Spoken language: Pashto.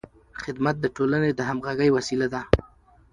خدمت د ټولنې د همغږۍ وسیله ده.